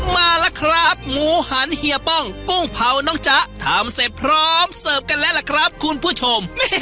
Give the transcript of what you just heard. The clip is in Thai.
มาแล้วครับหมูหันเฮียป้องกุ้งเผาน้องจ๊ะทำเสร็จพร้อมเสิร์ฟกันแล้วล่ะครับคุณผู้ชม